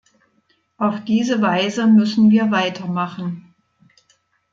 Auf diese Weise müssen wir weitermachen.